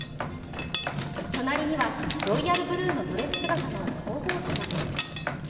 隣にはロイヤルブルーのドレス姿の皇后さま。